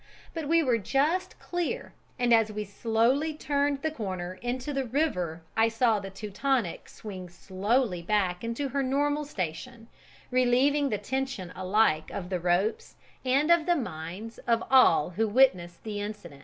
But we were just clear, and as we slowly turned the corner into the river I saw the Teutonic swing slowly back into her normal station, relieving the tension alike of the ropes and of the minds of all who witnessed the incident.